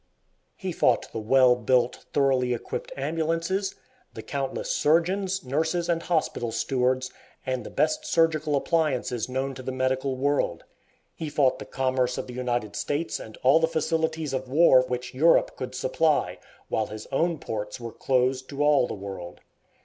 He fought the well built, thoroughly equipped ambulances, the countless surgeons, nurses, and hospital stewards, and the best surgical appliances known to the medical world. He fought the commerce of the United States and all the facilities for war which Europe could supply, while his own ports were closed to all the world.